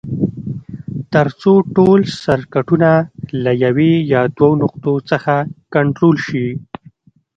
تر څو ټول سرکټونه له یوې یا دوو نقطو څخه کنټرول شي.